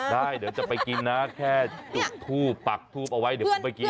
ได้เดี๋ยวจะไปกินนะแค่จุดทูปปักทูบเอาไว้เดี๋ยวผมไปกิน